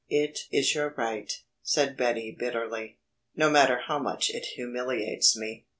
"It is your right," said Betty bitterly, "no matter how much it humiliates me.